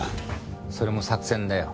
それも作戦だよ。